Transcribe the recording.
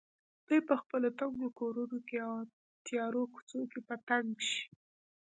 دوی په خپلو تنګو کورونو او تیارو کوڅو کې په تنګ شي.